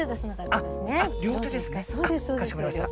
あっかしこまりました。